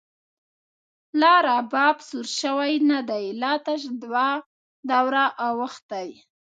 لا رباب سور شوۍ ندۍ، لا تش دوه دوره اوښتۍ